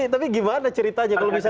tapi gimana ceritanya kalau misalnya